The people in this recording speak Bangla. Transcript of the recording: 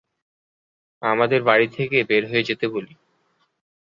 আমাদের বাড়ি থেকে বের হয়ে যেতে বলি।